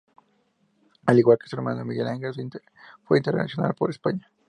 Al igual que su hermano Miguel Ángel, fue internacional por España.